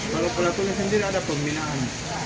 kalau pelakunya sendiri ada pembinaan